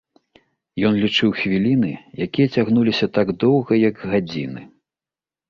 Ён лічыў хвіліны, якія цягнуліся так доўга, як гадзіны.